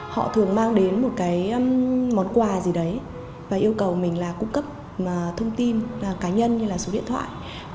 họ thường mang đến một cái món quà gì đấy và yêu cầu mình là cung cấp thông tin cá nhân như là số điện thoại